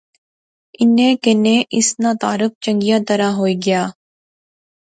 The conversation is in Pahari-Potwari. انیں کنے اس ناں تعارف چنگیا طرح ہوئی گیا